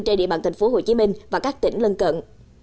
trên địa bàn tp hcm và các tỉnh lân cận